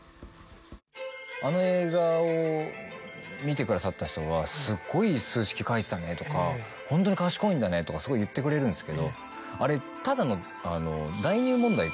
あの映画を見てくださった人は「すごい数式書いてたね」とか「ホントに賢いんだね」とかすごい言ってくれるんですけどあれただの。